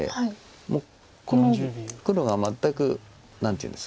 もうこの黒が全く何ていうんですか。